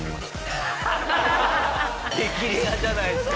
激レアじゃないですか！